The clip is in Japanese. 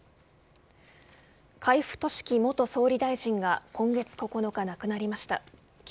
海部俊樹元総理大臣が今月９日、亡くなりました。